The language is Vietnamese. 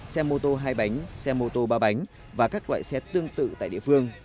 xe mô tô hai bánh xe mô tô ba bánh và các loại xe tương tự tại địa phương